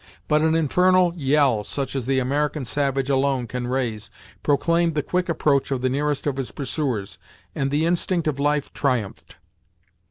But an infernal yell, such as the American savage alone can raise, proclaimed the quick approach of the nearest of his pursuers, and the instinct of life triumphed.